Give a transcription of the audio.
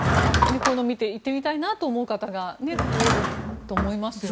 こういうのを見て行ってみたい方が増えると思いますよね。